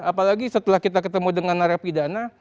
apalagi setelah kita ketemu dengan narapidana